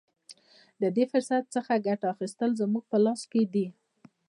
د دې فرصت څخه ګټه اخیستل زموږ په لاس کې دي.